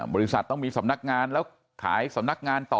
บริษัทต้องมีสำนักงานแล้วขายสำนักงานต่อ